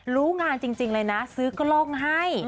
รู้งานจริงเลยนะซื้อกล้องให้